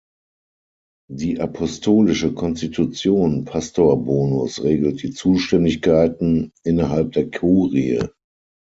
Die Apostolische Konstitution "Pastor Bonus" regelt die Zuständigkeiten innerhalb der Kurie.